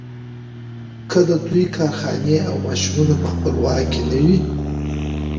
که د دوی کارخانې او ماشینونه په خپل واک کې نه دي.